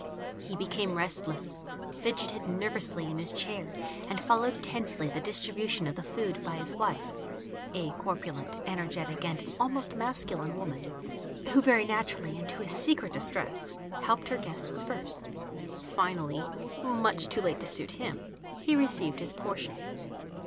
He became restless, fidgetted nervously in his chair, and followed tensely the distribution of the food by his wife, a corpulent, energetic and almost masculine woman, who, very naturally and to his secret distress, helped her guests first. Finally much too late to suit him he received his portion.